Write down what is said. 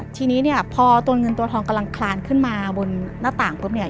ทีนี้เนี่ยพอตัวเงินตัวทองกำลังคลานขึ้นมาบนหน้าต่างปุ๊บเนี่ย